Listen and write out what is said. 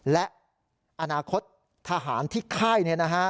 และอนาคตทหารที่ไข้เนี่ยนะฮะ